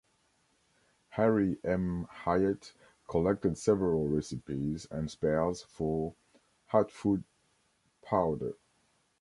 Harry M. Hyatt collected several recipes and spells for hot foot powder.